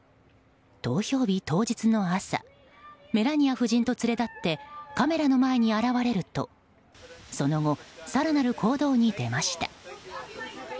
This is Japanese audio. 投票日当日の朝メラニア夫人と連れ立ってカメラの前に現れるとその後、更なる行動に出ました。